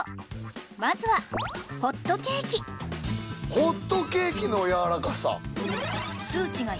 まずはホットケーキのやわらかさ。